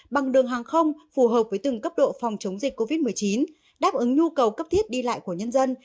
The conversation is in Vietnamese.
bằng đường hàng không phù hợp với từng cấp độ phòng chống dịch covid một mươi chín đáp ứng nhu cầu cấp thiết đi lại của nhân dân